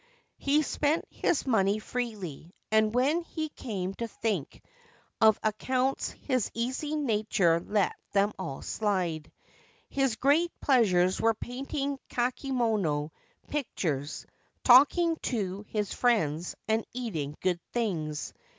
He spent his money freely, and when he came to think of accounts his easy nature let them all slide. His great pleasures were painting kakemono pictures, talking to his friends, and eating good things.